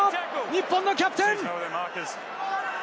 日本のキャプテン！